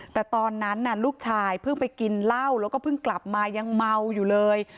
แต่ตอนนั้นลูกชายเพิ่งไปกินเหล้าแล้วก็เพิ่งกลับมายังเมาอยู่เลย